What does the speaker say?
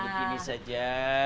jadi begini saja